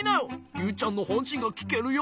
ユウちゃんのほんしんがきけるよ？